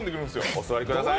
お座りください。